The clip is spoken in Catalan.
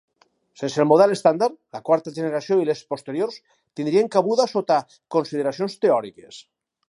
Sense el model estàndard, la quarta generació i les posteriors tindrien cabuda sota consideracions teòriques.